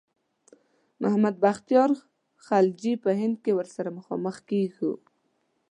محمد بختیار خلجي په هند کې ورسره مخامخ کیږو.